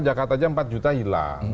jakarta saja empat juta hilang